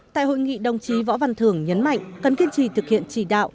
tại hội nghị đồng chí võ văn thưởng nhấn mạnh cần kiên trì thực hiện trì đạo